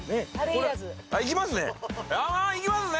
いきますね！